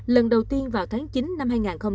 lần đầu tiên vào tháng chín năm hai nghìn hai mươi